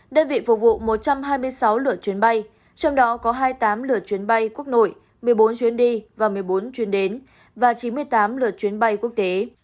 đơn vị phục vụ một trăm hai mươi sáu lượt chuyến bay trong đó có hai mươi tám lượt chuyến bay quốc nội một mươi bốn chuyến đi và một mươi bốn chuyến đến và chín mươi tám lượt chuyến bay quốc tế